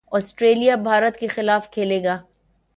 Australia Bharat کے خلاف کھیلے گا